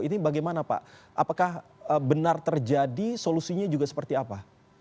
ini bagaimana pak apakah benar terjadi solusinya juga seperti apa